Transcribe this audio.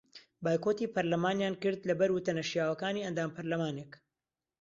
بایکۆتی پەرلەمانیان کرد لەبەر وتە نەشیاوەکانی ئەندام پەرلەمانێک